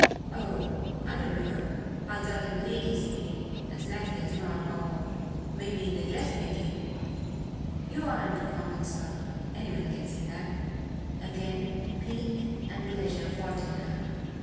"Oh I dunno I thought a lady's maid, as likely as not, or maybe in the dressmaking. You aren't a common sort anyone can see that." Again pique and pleasure fought in her.